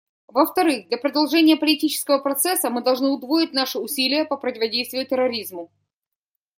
Во-вторых, для продолжения политического процесса мы должны удвоить наши усилия по противодействию терроризму.